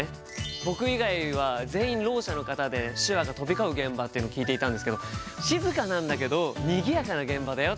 僕以外は全員ろう者の方で手話が飛び交う現場というのを聞いていたんですけど静かなんだけどにぎやかな現場だよって。